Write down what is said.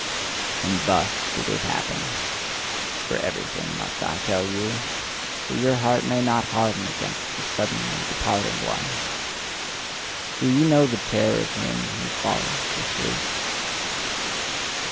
And thus did it happen for everything must I tell you, that your heart may not harden against the suddenly departing one! Do ye know the terror of him who falleth asleep?